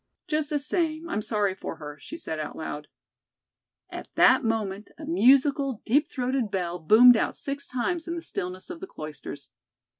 "Just the same, I'm sorry for her," she said out loud. At that moment, a musical, deep throated bell boomed out six times in the stillness of the cloisters.